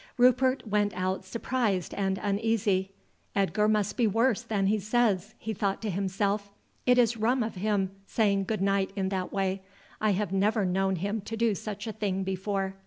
Rupert went out surprised and uneasy. "Edgar must be worse than he says," he thought to himself. "It is rum of him saying good night in that way. I have never known him do such a thing before.